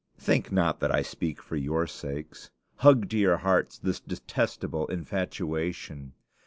Think not that I speak for your sakes. Hug to your hearts this detestable infatuation.